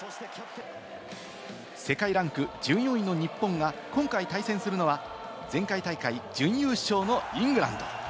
世界ランク１４位の日本が今回対戦するのは、前回大会準優勝のイングランド。